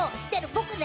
僕ね、